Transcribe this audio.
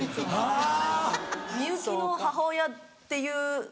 あぁ。